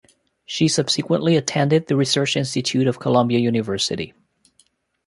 She subsequently attended the research institute of Columbia University.